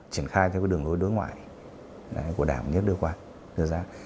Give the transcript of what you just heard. triển khai theo đường lối đối ngoại của đảng nhất nước ngoài